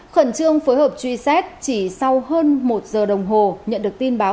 khẩn trương phối hợp truy xét chỉ sau hơn một giờ đồng hồ nhận được tin báo